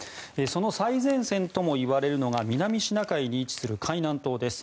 その最前線ともいわれるのが南シナ海に位置する海南島です。